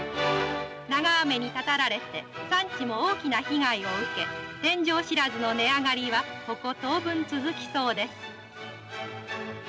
長雨にたたられて産地も大きな被害を受け天井知らずの値上がりはここ当分続きそうです。